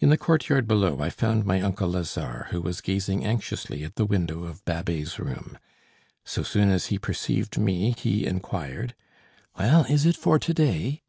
In the courtyard below, I found my uncle Lazare, who was gazing anxiously at the window of Babet's room. So soon as he perceived me he inquired: "Well, is it for to day?"